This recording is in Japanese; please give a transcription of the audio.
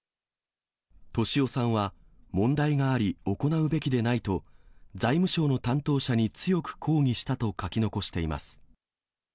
俊夫さんは、問題があり、行うべきでないと、財務省の担当者に強く抗議したと書き残しています。